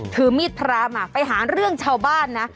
ถือมีดพระมาไปหาเรื่องชาวบ้านนะ